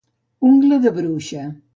Ungla de bruixa.